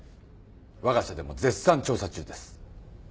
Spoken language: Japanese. わが社でも絶賛調査中です。